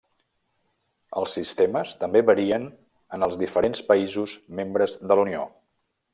Els sistemes també varien en els diferents països membres de la Unió.